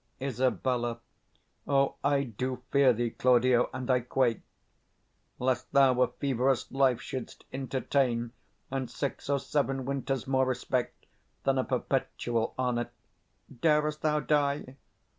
Isab. O, I do fear thee, Claudio; and I quake, 75 Lest thou a feverous life shouldst entertain, And six or seven winters more respect Than a perpetual honour. Darest thou die?